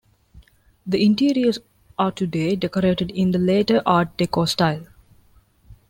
The interiors are today decorated in the later Art Deco style.